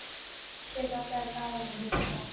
谢端再三挽留不成。